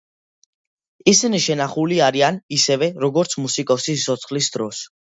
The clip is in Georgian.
ისინი შენახული არიან ისევე, როგორც მუსიკოსის სიცოცხლის დროს.